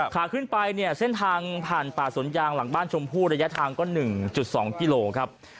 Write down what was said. ขาขึ้นไปเนี่ยเส้นทางผ่านป่าสวนยางหลังบ้านชมพู่ระยะทางก็๑๒กิโลครับ